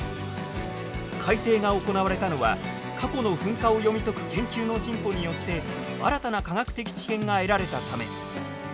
改定が行われたのは過去の噴火を読み解く研究の進歩によって新たな科学的知見が得られたため。